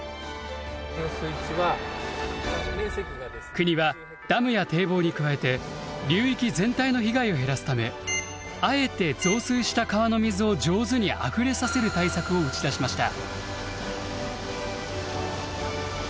国はダムや堤防に加えて流域全体の被害を減らすためあえて増水した川の水を上手にあふれさせる対策を打ち出しました。